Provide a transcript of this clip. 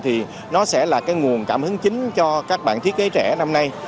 thì nó sẽ là cái nguồn cảm hứng chính cho các bạn thiết kế trẻ năm nay